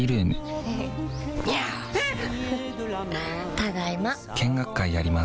ただいま。